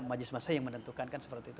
majelis masa yang menentukan kan seperti itu